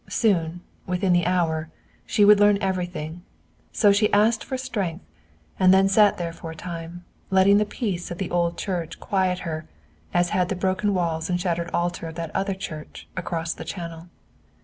Soon, within the hour, she would learn everything. So she asked for strength, and then sat there for a time, letting the peace of the old church quiet her, as had the broken walls and shattered altar of that other church, across the channel.